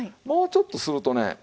もうちょっとするとね。